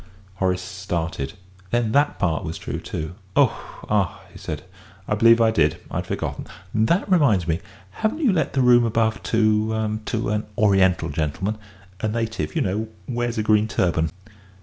Horace started. Then that part was true, too! "Oh, ah," he said, "I believe I did. I'd forgotten. That reminds me. Haven't you let the room above to to an Oriental gentleman a native, you know wears a green turban?"